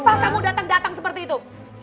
apa kamu datang datang seperti itu